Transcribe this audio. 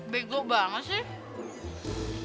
begok banget sih